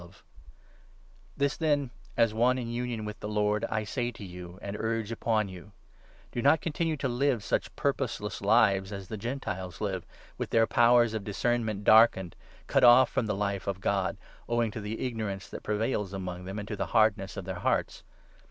The New This, then, as one in union with the Lord, i*f Life and the I say to you and urge upon you :— Do not con Old tinue to live such purposeless lives as the Gen tiles live, with their powers of discernment darkened, cut off 18 from the Life of God, owing to the ignorance that prevails among them and to the hardness of their hearts.